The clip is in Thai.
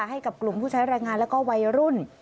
ให้กับกลุ่มผู้ใช้แรงงานแล้วก็วัยรุ่น